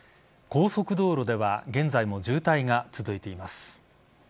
高速道路では現在も渋滞が続いています。